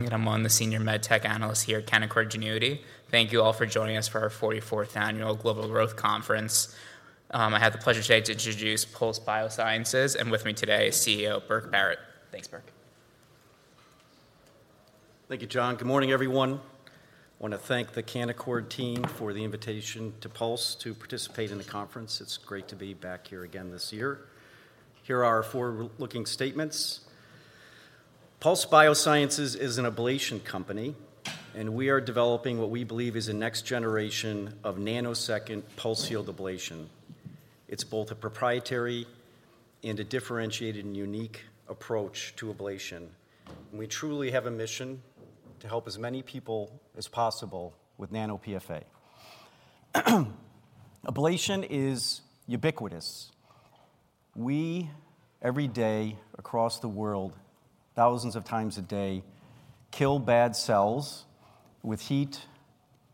I'm one of the Senior Med Tech Analysts here at Canaccord Genuity. Thank you all for joining us for our 44th Annual Global Growth Conference. I have the pleasure today to introduce Pulse Biosciences, and with me today is CEO Burke Barrett. Thanks, Burke. Thank you, John. Good morning, everyone. I wanna thank the Canaccord team for the invitation to Pulse to participate in the conference. It's great to be back here again this year. Here are our forward-looking statements. Pulse Biosciences is an ablation company, and we are developing what we believe is a next generation of nanosecond pulsed field ablation. It's both a proprietary and a differentiated and unique approach to ablation, and we truly have a mission to help as many people as possible with nano PFA. Ablation is ubiquitous. We, every day across the world, thousands of times a day, kill bad cells with heat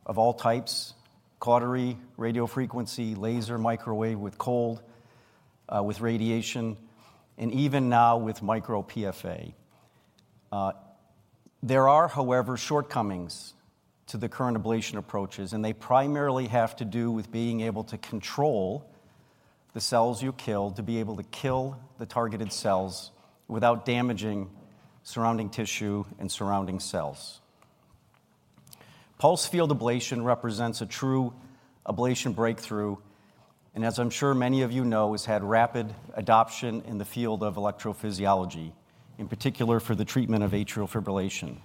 of all types: cautery, radiofrequency, laser, microwave, with cold, with radiation, and even now with micro PFA. There are, however, shortcomings to the current ablation approaches, and they primarily have to do with being able to control the cells you kill, to be able to kill the targeted cells without damaging surrounding tissue and surrounding cells. Pulsed field ablation represents a true ablation breakthrough, and as I'm sure many of you know, has had rapid adoption in the field of electrophysiology, in particular for the treatment of atrial fibrillation.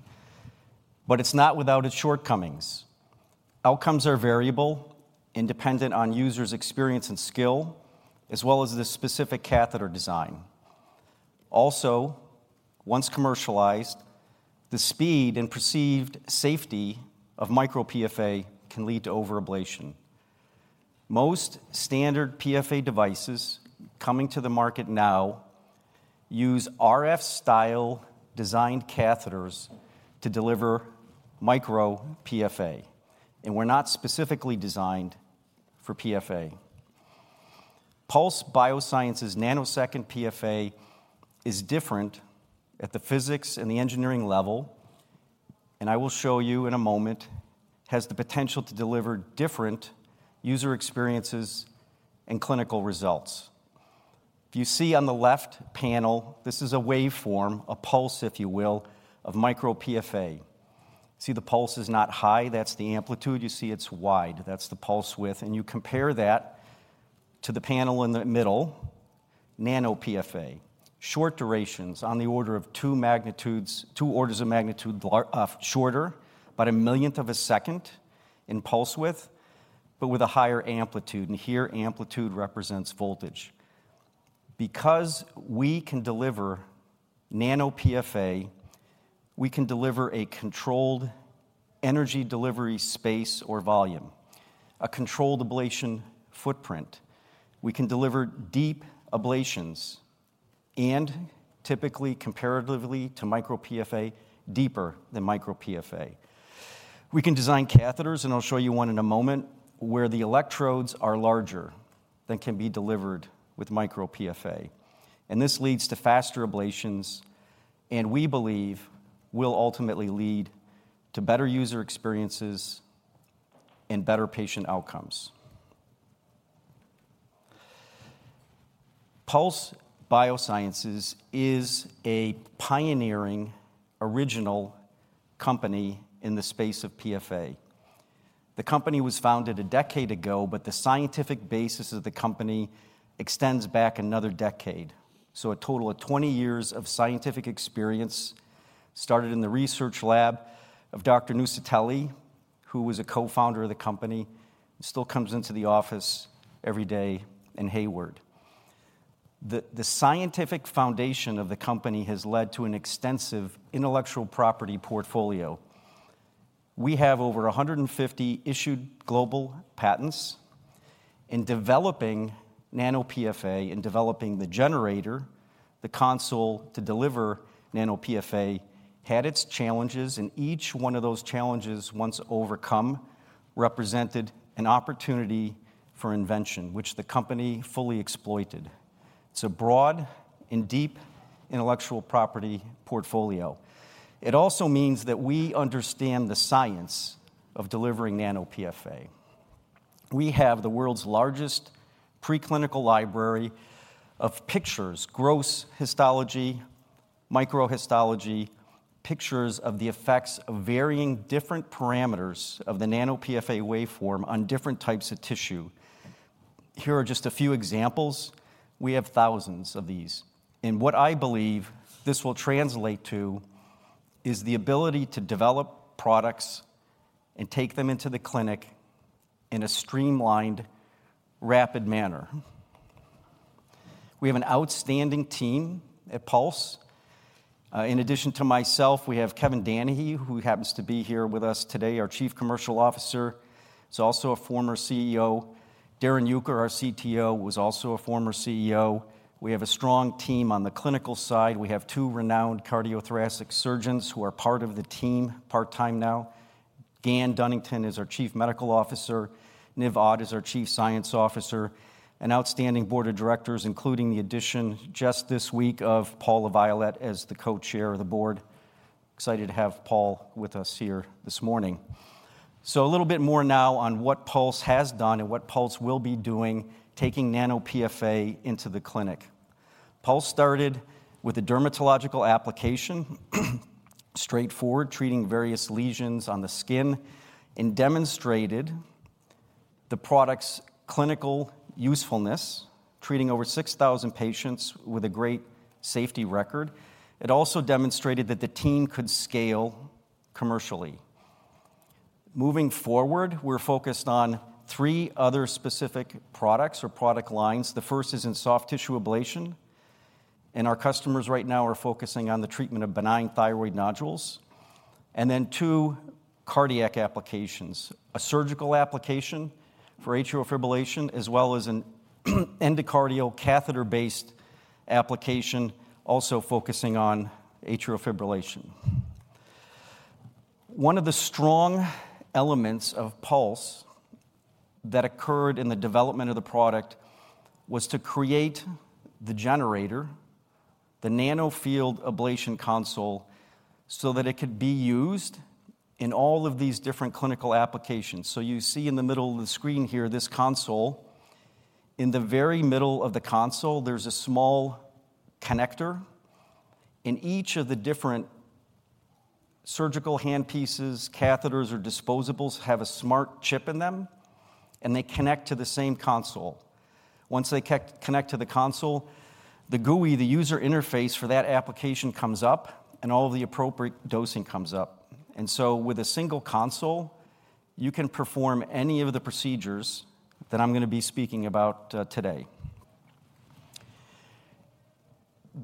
But it's not without its shortcomings. Outcomes are variable and dependent on user's experience and skill, as well as the specific catheter design. Also, once commercialized, the speed and perceived safety of micro PFA can lead to over-ablation. Most standard PFA devices coming to the market now use RF-style designed catheters to deliver micro PFA, and were not specifically designed for PFA. Pulse Biosciences' nanosecond PFA is different at the physics and the engineering level, and I will show you in a moment, has the potential to deliver different user experiences and clinical results. If you see on the left panel, this is a waveform, a pulse, if you will, of micro PFA. See, the pulse is not high, that's the amplitude. You see it's wide, that's the pulse width, and you compare that to the panel in the middle, nano PFA. Short durations on the order of two orders of magnitude shorter, about a millionth of a second in pulse width, but with a higher amplitude, and here amplitude represents voltage. Because we can deliver nano PFA, we can deliver a controlled energy delivery space or volume, a controlled ablation footprint. We can deliver deep ablations and typically, comparatively to micro PFA, deeper than micro PFA. We can design catheters, and I'll show you one in a moment, where the electrodes are larger than can be delivered with micro PFA. And this leads to faster ablations, and we believe will ultimately lead to better user experiences and better patient outcomes. Pulse Biosciences is a pioneering, original company in the space of PFA. The company was founded a decade ago, but the scientific basis of the company extends back another decade. So a total of 20 years of scientific experience, started in the research lab of Dr. Nuccitelli, who was a Co-Founder of the company, and still comes into the office every day in Hayward. The scientific foundation of the company has led to an extensive intellectual property portfolio. We have over 150 issued global patents. In developing nano PFA, in developing the generator, the console to deliver nano PFA had its challenges, and each one of those challenges, once overcome, represented an opportunity for invention, which the company fully exploited. It's a broad and deep intellectual property portfolio. It also means that we understand the science of delivering nano PFA. We have the world's largest preclinical library of pictures, gross histology, microhistology, pictures of the effects of varying different parameters of the nano PFA waveform on different types of tissue. Here are just a few examples. We have thousands of these, and what I believe this will translate to is the ability to develop products and take them into the clinic in a streamlined, rapid manner. We have an outstanding team at Pulse. In addition to myself, we have Kevin Danahy, who happens to be here with us today, our Chief Commercial Officer. He's also a former CEO. Darrin Uecker, our CTO, was also a former CEO. We have a strong team on the clinical side. We have two renowned cardiothoracic surgeons who are part of the team, part-time now. Gan Dunnington is our Chief Medical Officer, Niv Ad is our Chief Science Officer, an outstanding Board of Directors, including the addition just this week of Paul LaViolette as the Co-Chair of the Board. Excited to have Paul with us here this morning. So a little bit more now on what Pulse has done and what Pulse will be doing, taking nano PFA into the clinic. Pulse started with a dermatological application, straightforward, treating various lesions on the skin, and demonstrated the product's clinical usefulness, treating over 6,000 patients with a great safety record. It also demonstrated that the team could scale commercially. Moving forward, we're focused on three other specific products or product lines. The first is in soft tissue ablation, and our customers right now are focusing on the treatment of benign thyroid nodules, and then two cardiac applications: a surgical application for atrial fibrillation, as well as an endocardial catheter-based application, also focusing on atrial fibrillation. One of the strong elements of Pulse that occurred in the development of the product was to create the generator, the nano field ablation console, so that it could be used in all of these different clinical applications. So you see in the middle of the screen here, this console. In the very middle of the console, there's a small connector, and each of the different surgical handpieces, catheters, or disposables have a smart chip in them, and they connect to the same console. Once they connect to the console, the GUI, the user interface for that application comes up, and all of the appropriate dosing comes up. With a single console, you can perform any of the procedures that I'm gonna be speaking about today.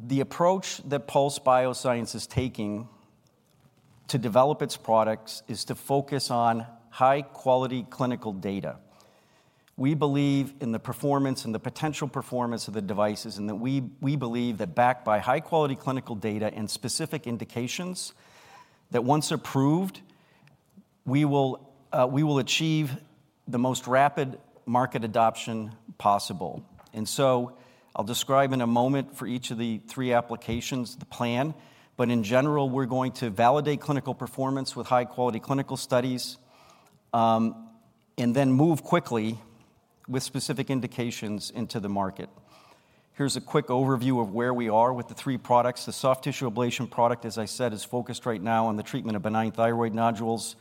The approach that Pulse Biosciences is taking to develop its products is to focus on high-quality clinical data. We believe in the performance and the potential performance of the devices, and that we believe that backed by high-quality clinical data and specific indications, that once approved, we will achieve the most rapid market adoption possible. I'll describe in a moment for each of the three applications the plan, but in general, we're going to validate clinical performance with high-quality clinical studies and then move quickly with specific indications into the market. Here's a quick overview of where we are with the three products. The soft tissue ablation product, as I said, is focused right now on the treatment of benign thyroid nodules.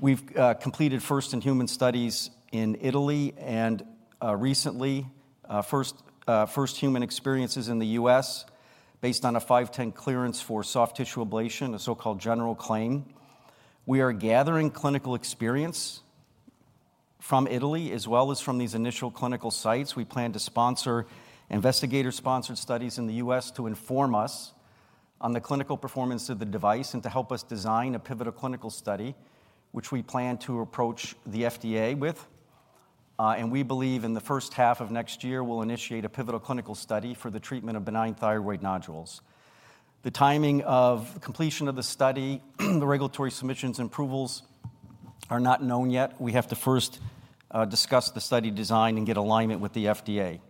We've completed first-in-human studies in Italy and recently first human experiences in the U.S. based on a 510(k) clearance for soft tissue ablation, a so-called general claim. We are gathering clinical experience from Italy as well as from these initial clinical sites. We plan to sponsor investigator-sponsored studies in the U.S. to inform us on the clinical performance of the device and to help us design a pivotal clinical study, which we plan to approach the FDA with. And we believe in the first half of next year, we'll initiate a pivotal clinical study for the treatment of benign thyroid nodules. The timing of completion of the study, the regulatory submissions and approvals are not known yet. We have to first discuss the study design and get alignment with the FDA.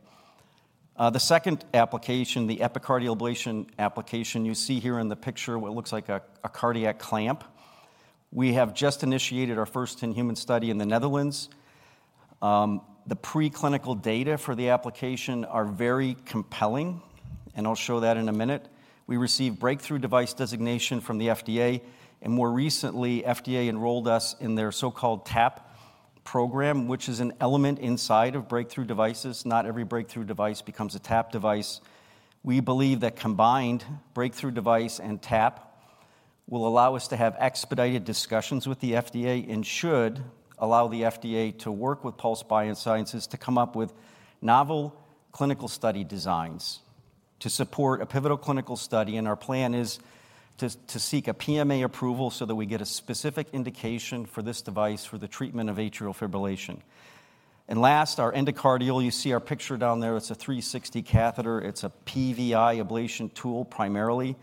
The second application, the epicardial ablation application, you see here in the picture, what looks like a cardiac clamp. We have just initiated our first in-human study in the Netherlands. The preclinical data for the application are very compelling, and I'll show that in a minute. We received breakthrough device designation from the FDA, and more recently, FDA enrolled us in their so-called TAP program, which is an element inside of breakthrough devices. Not every breakthrough device becomes a TAP device. We believe that combined breakthrough device and TAP will allow us to have expedited discussions with the FDA and should allow the FDA to work with Pulse Biosciences to come up with novel clinical study designs to support a pivotal clinical study, and our plan is to seek a PMA approval so that we get a specific indication for this device for the treatment of atrial fibrillation. Last, our endocardial, you see our picture down there, it's a 360 catheter. It's a PVI ablation tool, primarily.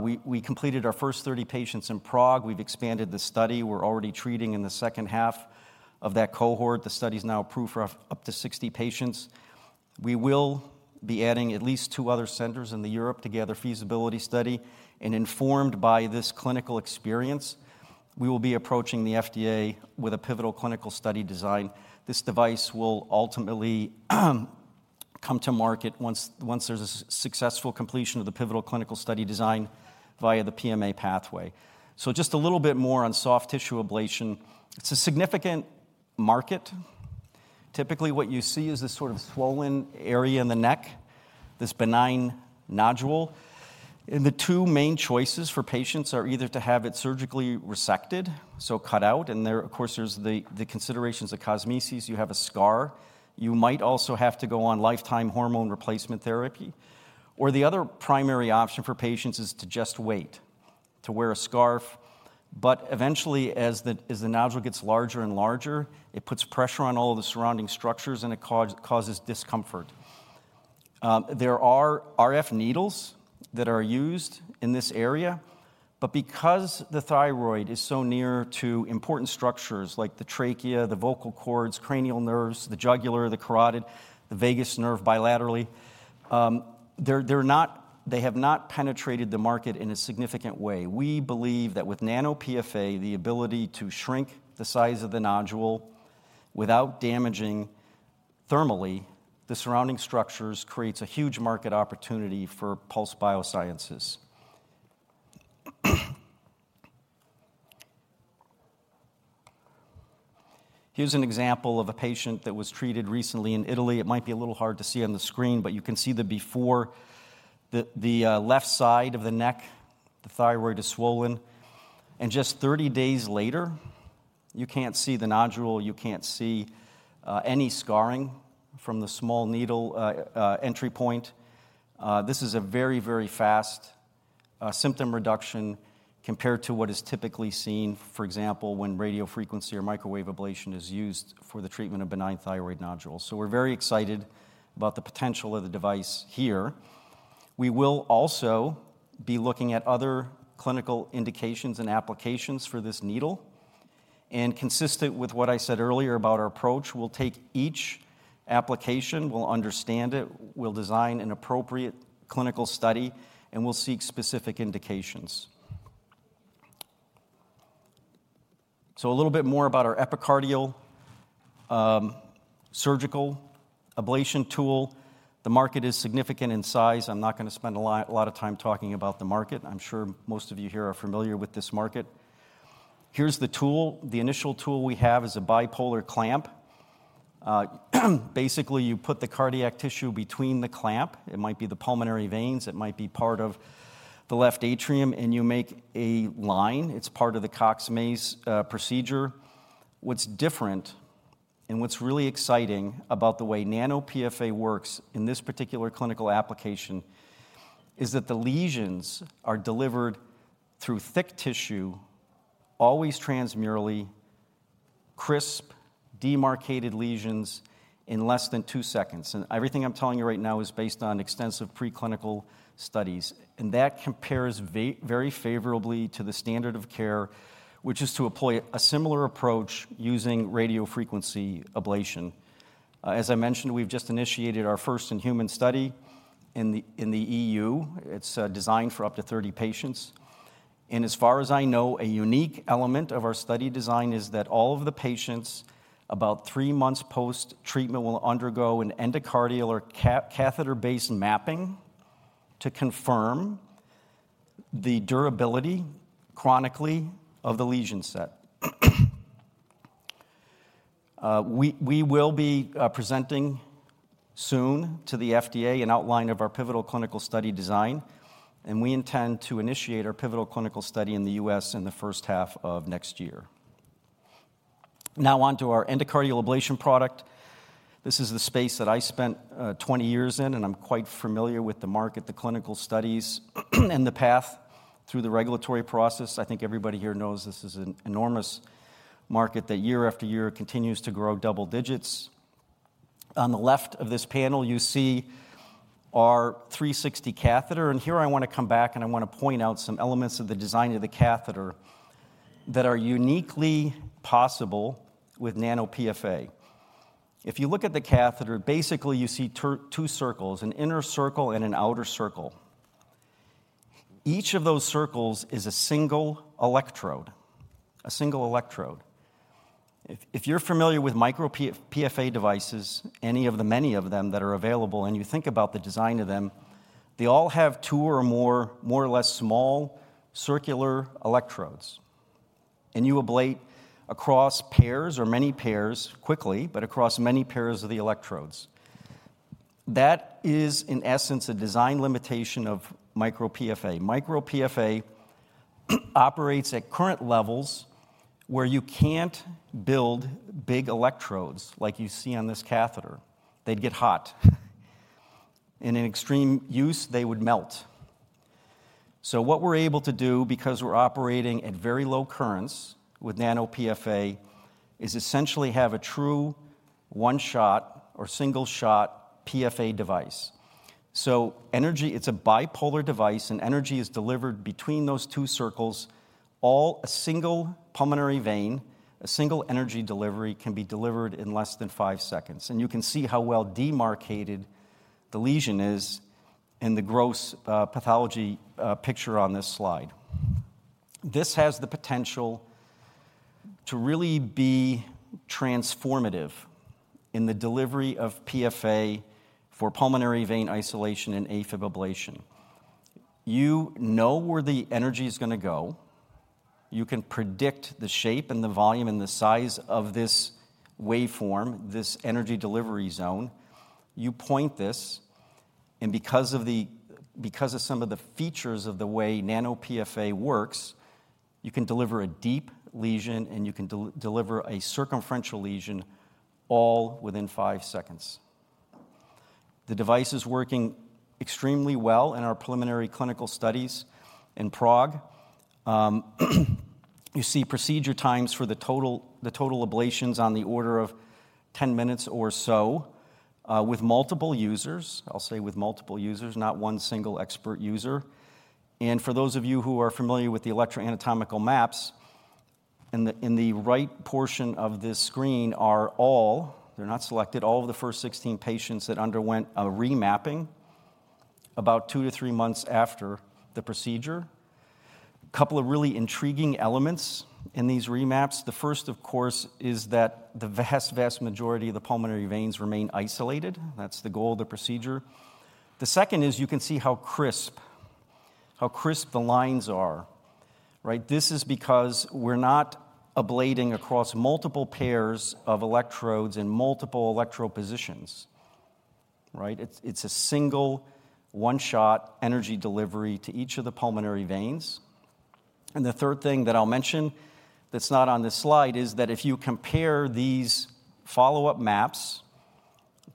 We completed our first 30 patients in Prague. We've expanded the study. We're already treating in the second half of that cohort. The study is now approved for up to 60 patients. We will be adding at least two other centers in Europe to gather feasibility study, and informed by this clinical experience, we will be approaching the FDA with a pivotal clinical study design. This device will ultimately come to market once, once there's a successful completion of the pivotal clinical study design via the PMA pathway. So just a little bit more on soft tissue ablation. It's a significant market. Typically, what you see is this sort of swollen area in the neck, this benign nodule, and the two main choices for patients are either to have it surgically resected, so cut out, and there, of course, there's the considerations of cosmesis. You have a scar. You might also have to go on lifetime hormone replacement therapy, or the other primary option for patients is to just wait, to wear a scarf. But eventually, as the nodule gets larger and larger, it puts pressure on all of the surrounding structures, and it causes discomfort. There are RF needles that are used in this area, but because the thyroid is so near to important structures like the trachea, the vocal cords, cranial nerves, the jugular, the carotid, the vagus nerve bilaterally, they have not penetrated the market in a significant way. We believe that with nano PFA, the ability to shrink the size of the nodule without damaging thermally the surrounding structures, creates a huge market opportunity for Pulse Biosciences. Here's an example of a patient that was treated recently in Italy. It might be a little hard to see on the screen, but you can see the before, the left side of the neck, the thyroid is swollen, and just 30 days later, you can't see the nodule, you can't see any scarring from the small needle entry point. This is a very, very fast symptom reduction compared to what is typically seen, for example, when radiofrequency or microwave ablation is used for the treatment of benign thyroid nodules. So we're very excited about the potential of the device here. We will also be looking at other clinical indications and applications for this needle, and consistent with what I said earlier about our approach, we'll take each application, we'll understand it, we'll design an appropriate clinical study, and we'll seek specific indications. So a little bit more about our epicardial surgical ablation tool. The market is significant in size. I'm not going to spend a lot of time talking about the market. I'm sure most of you here are familiar with this market. Here's the tool. The initial tool we have is a bipolar clamp. Basically, you put the cardiac tissue between the clamp. It might be the pulmonary veins, it might be part of the left atrium, and you make a line. It's part of the Cox-Maze procedure. What's different and what's really exciting about the way nano PFA works in this particular clinical application is that the lesions are delivered through thick tissue, always transmurally, crisp, demarcated lesions in less than two seconds. And everything I'm telling you right now is based on extensive preclinical studies, and that compares very favorably to the standard of care, which is to employ a similar approach using radiofrequency ablation. As I mentioned, we've just initiated our first-in-human study in the EU. It's designed for up to 30 patients, and as far as I know, a unique element of our study design is that all of the patients, about three months post-treatment, will undergo an endocardial or catheter-based mapping to confirm the durability, chronically, of the lesion set. We will be presenting soon to the FDA an outline of our pivotal clinical study design, and we intend to initiate our pivotal clinical study in the U.S. in the first half of next year. Now, on to our endocardial ablation product. This is the space that I spent 20 years in, and I'm quite familiar with the market, the clinical studies, and the path through the regulatory process. I think everybody here knows this is an enormous market that year after year continues to grow double digits. On the left of this panel, you see our 360 catheter, and here I want to come back, and I want to point out some elements of the design of the catheter that are uniquely possible with nano PFA. If you look at the catheter, basically, you see two circles, an inner circle and an outer circle. Each of those circles is a single electrode, a single electrode. If you're familiar with micro PFA devices, any of the many of them that are available, and you think about the design of them, they all have two or more, more or less small, circular electrodes, and you ablate across pairs or many pairs quickly, but across many pairs of the electrodes. That is, in essence, a design limitation of micro PFA. Micro PFA operates at current levels where you can't build big electrodes like you see on this catheter. They'd get hot, and in extreme use, they would melt. So what we're able to do, because we're operating at very low currents with nano PFA, is essentially have a true one-shot or single-shot PFA device. So energy. It's a bipolar device, and energy is delivered between those two circles, all a single pulmonary vein. A single energy delivery can be delivered in less than 5 seconds, and you can see how well demarcated the lesion is in the gross pathology picture on this slide. This has the potential to really be transformative in the delivery of PFA for pulmonary vein isolation and AFib ablation. You know where the energy is gonna go. You can predict the shape and the volume, and the size of this waveform, this energy delivery zone. You point this, and because of some of the features of the way nano PFA works, you can deliver a deep lesion, and you can deliver a circumferential lesion all within five seconds. The device is working extremely well in our preliminary clinical studies in Prague. You see procedure times for the total ablations on the order of 10 minutes or so, with multiple users. I'll say with multiple users, not one single expert user. For those of you who are familiar with the electroanatomical maps, in the right portion of this screen are all, they're not selected, all of the first 16 patients that underwent a remapping about two to three months after the procedure. Couple of really intriguing elements in these remaps. The first, of course, is that the vast, vast majority of the pulmonary veins remain isolated. That's the goal of the procedure. The second is you can see how crisp, how crisp the lines are, right? This is because we're not ablating across multiple pairs of electrodes in multiple electrode positions, right? It's, it's a single, one-shot energy delivery to each of the pulmonary veins. And the third thing that I'll mention that's not on this slide is that if you compare these follow-up maps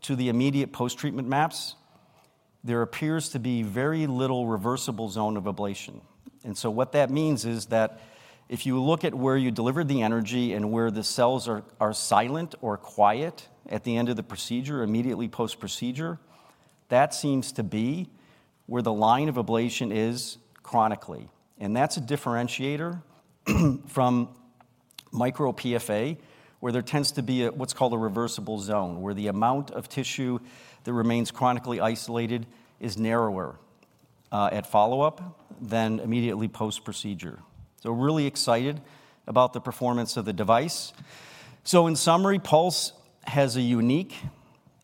to the immediate post-treatment maps, there appears to be very little reversible zone of ablation. And so what that means is that if you look at where you delivered the energy and where the cells are silent or quiet at the end of the procedure or immediately post-procedure, that seems to be where the line of ablation is chronically. That's a differentiator from micro PFA, where there tends to be a, what's called a reversible zone, where the amount of tissue that remains chronically isolated is narrower at follow-up than immediately post-procedure. We're really excited about the performance of the device. In summary, Pulse has a unique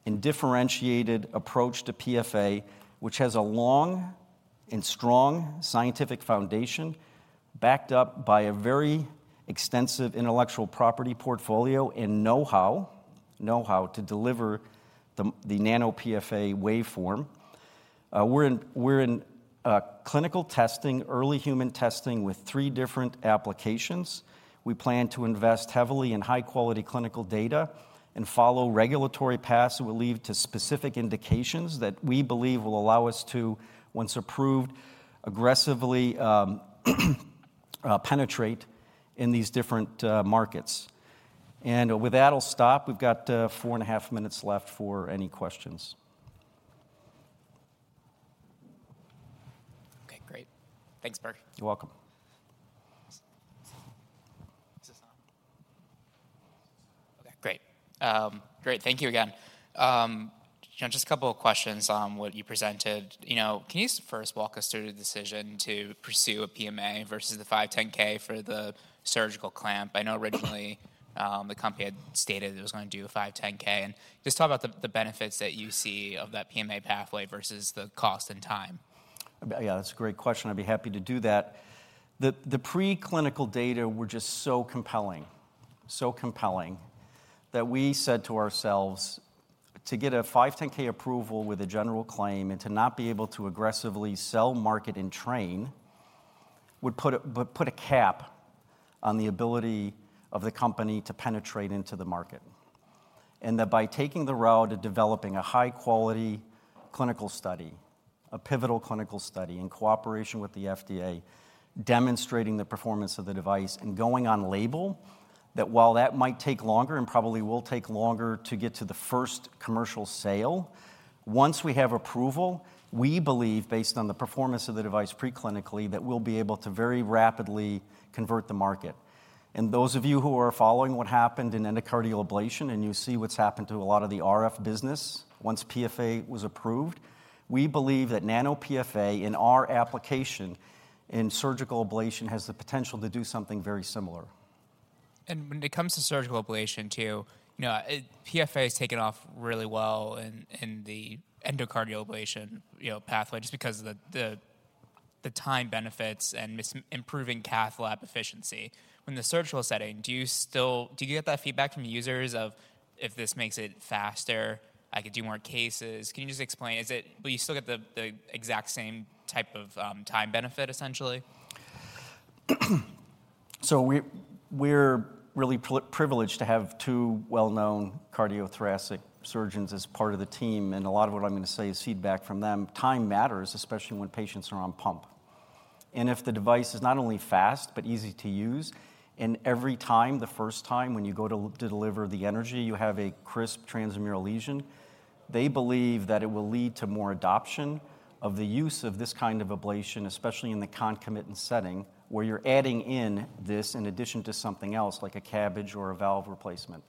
and differentiated approach to PFA, which has a long and strong scientific foundation, backed up by a very extensive intellectual property portfolio and know-how to deliver the nano PFA waveform. We're in clinical testing, early human testing with three different applications. We plan to invest heavily in high-quality clinical data and follow regulatory paths that will lead to specific indications that we believe will allow us to, once approved, aggressively, penetrate in these different, markets. With that, I'll stop. We've got 4.5 minutes left for any questions. Okay, great. Thanks, Burke. You're welcome. Is this on? Okay, great. Great. Thank you again. Just a couple of questions on what you presented. You know, can you first walk us through the decision to pursue a PMA versus the 510(k) for the surgical clamp? I know originally, the company had stated it was going to do a 510(k), and just talk about the benefits that you see of that PMA pathway versus the cost and time. Yeah, that's a great question. I'd be happy to do that. The preclinical data were just so compelling, so compelling, that we said to ourselves, to get a 510(k) approval with a general claim and to not be able to aggressively sell, market, and train, would put a cap on the ability of the company to penetrate into the market. And that by taking the route of developing a high-quality clinical study, a pivotal clinical study, in cooperation with the FDA, demonstrating the performance of the device and going on label, that while that might take longer and probably will take longer to get to the first commercial sale, once we have approval, we believe, based on the performance of the device preclinically, that we'll be able to very rapidly convert the market. Those of you who are following what happened in endocardial ablation, and you see what's happened to a lot of the RF business once PFA was approved, we believe that nano PFA in our application in surgical ablation has the potential to do something very similar. And when it comes to surgical ablation too, you know, PFA has taken off really well in the endocardial ablation, you know, pathway just because of the time benefits and improving cath lab efficiency. In the surgical setting, do you still get that feedback from users of if this makes it faster, I could do more cases? Can you just explain, will you still get the exact same type of time benefit, essentially? So we're really privileged to have two well-known cardiothoracic surgeons as part of the team, and a lot of what I'm going to say is feedback from them. Time matters, especially when patients are on pump. If the device is not only fast, but easy to use, and every time, the first time when you go to deliver the energy, you have a crisp transmural lesion, they believe that it will lead to more adoption of the use of this kind of ablation, especially in the concomitant setting, where you're adding in this in addition to something else, like a CABG or a valve replacement.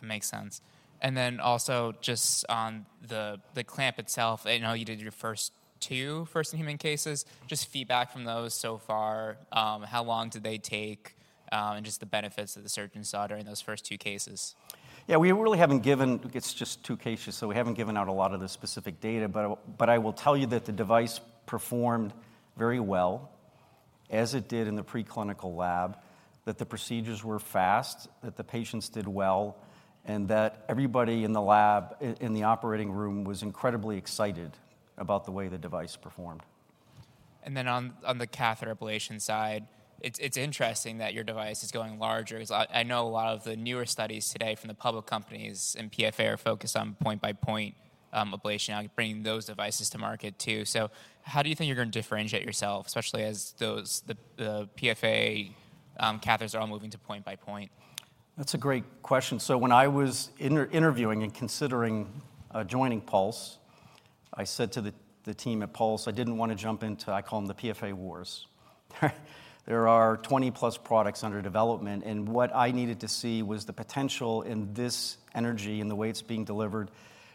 That makes sense. And then also just on the clamp itself, I know you did your first two first-in-human cases. Just feedback from those so far, how long did they take? And just the benefits that the surgeons saw during those first two cases. Yeah, we really haven't given. It's just two cases, so we haven't given out a lot of the specific data. But I will tell you that the device performed very well, as it did in the preclinical lab, that the procedures were fast, that the patients did well, and that everybody in the lab, in the operating room, was incredibly excited about the way the device performed. And then on the catheter ablation side. It's interesting that your device is going larger, because I know a lot of the newer studies today from the public companies and PFA are focused on point-by-point ablation, now bringing those devices to market, too. So how do you think you're gonna differentiate yourself, especially as those the PFA catheters are all moving to point-by-point? That's a great question. So when I was interviewing and considering joining Pulse, I said to the team at Pulse, I didn't want to jump into, I call them the PFA wars. There are 20+ products under development, and what I needed to see was the potential in this energy and the way it's being delivered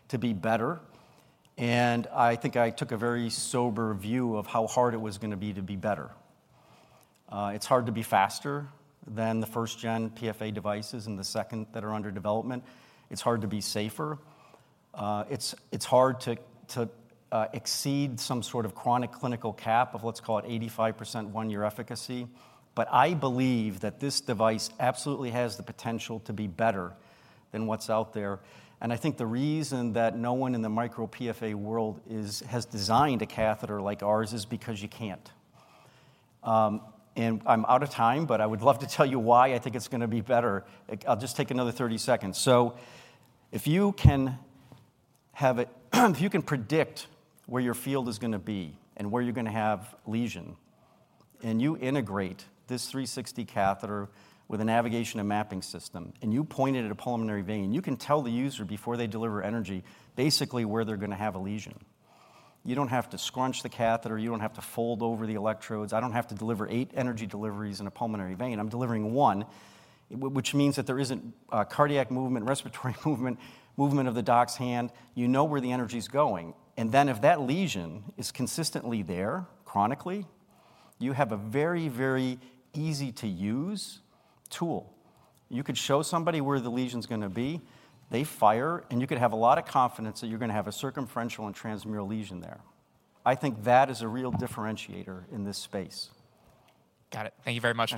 to be better, and I think I took a very sober view of how hard it was gonna be to be better. It's hard to be faster than the first gen PFA devices and the second that are under development. It's hard to be safer. It's hard to exceed some sort of chronic clinical cap of, let's call it 85% one-year efficacy. But I believe that this device absolutely has the potential to be better than what's out there, and I think the reason that no one in the micro PFA world has designed a catheter like ours is because you can't. And I'm out of time, but I would love to tell you why I think it's gonna be better. I'll just take another 30 seconds. So if you can have it, if you can predict where your field is gonna be and where you're gonna have lesion, and you integrate this 360 catheter with a navigation and mapping system, and you point it at a pulmonary vein, you can tell the user before they deliver energy, basically where they're gonna have a lesion. You don't have to scrunch the catheter. You don't have to fold over the electrodes. I don't have to deliver eight energy deliveries in a pulmonary vein. I'm delivering one, which means that there isn't cardiac movement, respiratory movement, movement of the doc's hand. You know where the energy is going, and then if that lesion is consistently there, chronically, you have a very, very easy-to-use tool. You could show somebody where the lesion's gonna be, they fire, and you could have a lot of confidence that you're gonna have a circumferential and transmural lesion there. I think that is a real differentiator in this space. Got it. Thank you very much, Burke.